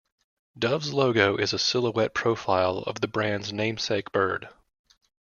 Dove's logo is a silhouette profile of the brand's namesake bird.